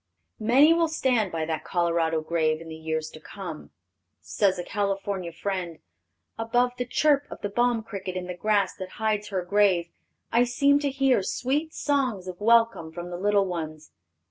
Many will stand by that Colorado grave in the years to come. Says a California friend: "Above the chirp of the balm cricket in the grass that hides her grave, I seem to hear sweet songs of welcome from the little ones.